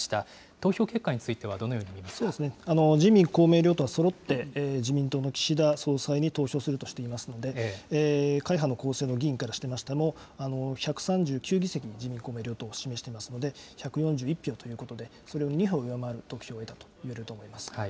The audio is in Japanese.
投票結果についてはどのように見そうですね、自民、公明両党はそろって自民党の岸田総裁に投票するとしていましたので、会派の構成の議員からしましても、１３９議席、自民、公明両党が指名していますので、１４１票ということで、それを２票上回る得票を得たということが言えると思います。